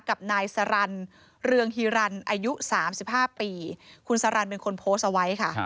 กับนายสรรเรืองฮีรันอายุ๓๕ปีคุณสารันเป็นคนโพสต์เอาไว้ค่ะ